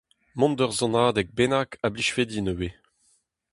Mont d'ur sonadeg bennak a blijfe din ivez.